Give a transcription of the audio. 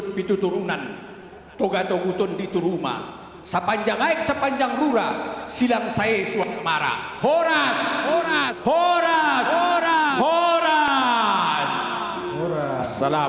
tentang prosesi ini saya ingin mengucapkan kepada anda